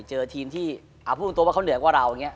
เจอทีมที่พูดตรงว่าเขาเหนือกว่าเราอย่างนี้